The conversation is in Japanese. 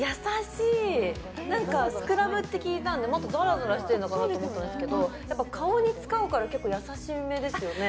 何かスクラブって聞いたんでもっとザラザラしてるのかなと思ったんですけどやっぱ顔に使うから結構優しめですよね